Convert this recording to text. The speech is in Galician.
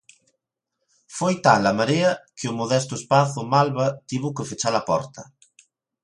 Foi tal a marea que o modesto espazo malva tivo que fechar a porta.